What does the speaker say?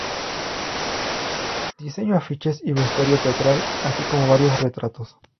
Diseñó afiches y vestuario teatral, así como varios retratos.